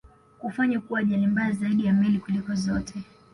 kufanya kuwa ajali mbaya zaidi ya meli kuliko zote